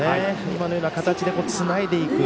今のような形でつないでいく。